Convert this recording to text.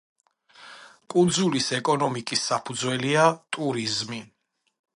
კუნძულის ეკონომიკის საფუძველია ტურიზმი.